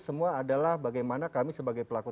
semua adalah bagaimana kami sebagai pelaku